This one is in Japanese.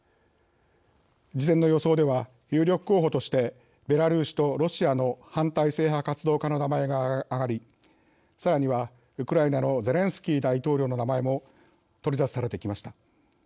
事前の予想では有力候補としてベラルーシとロシアの反体制派活動家の名前が挙がりさらには、ウクライナのゼレンスキー大統領の名前も取り沙汰されてきました。